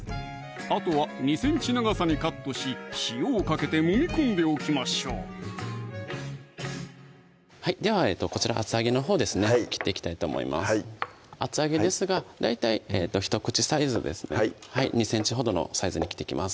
あとは２ｃｍ長さにカットし塩をかけてもみ込んでおきましょうではこちら厚揚げのほうですね切っていきたいと思います厚揚げですが大体ひと口サイズですね２ｃｍほどのサイズに切っていきます